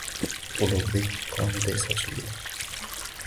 Ulug’bek qoniday sochilgan